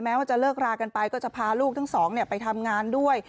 ว่าจะเลิกรากันไปก็จะพาลูกทั้งสองไปทำงานด้วย